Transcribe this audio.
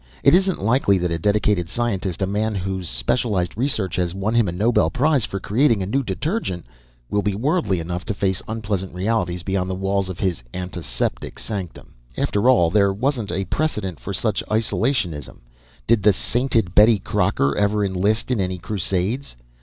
It isn't likely that a dedicated scientist, a man whose specialized research has won him a Nobel Prize for creating a new detergent, will be worldly enough to face unpleasant realities beyond the walls of his antiseptic sanctum. After all, there was precedent for such isolationism did the sainted Betty Crocker ever enlist in any crusades?